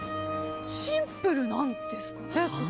シンプルなんですかね。